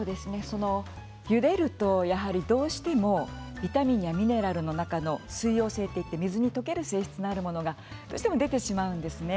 ゆでるとやはりどうしてもビタミンやミネラルの中の水溶性といって水に溶ける性質のあるものがどうしても出てしまうんですね。